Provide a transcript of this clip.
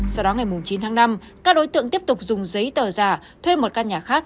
sau đó ngày chín tháng năm các đối tượng tiếp tục dùng giấy tờ giả thuê một căn nhà khác